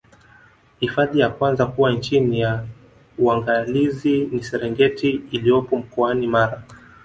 hifadhi ya kwanza kuwa chini ya uangalizi ni serengeti iliyopo mkoani mara